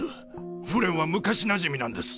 フレンは昔なじみなんです。